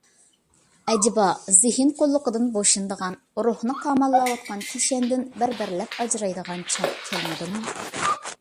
ئەجىبا زېھىن قۇللۇقىدىن بوشىنىدىغان، روھنى قاماللاۋاتقان كىشەندىن بىر بىرلەپ ئاجرايدىغان چاغ كەلمىدىمۇ؟